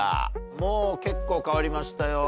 もう結構変わりましたよ。